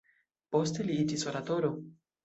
Poste li iĝis oratoro.